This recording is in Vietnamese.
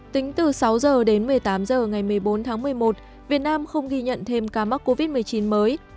tính từ sáu h đến một mươi tám h ngày một mươi bốn tháng một mươi một việt nam không ghi nhận thêm ca mắc covid một mươi chín mới